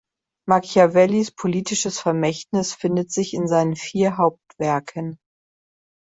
Machiavellis politisches Vermächtnis findet sich in seinen vier Hauptwerken.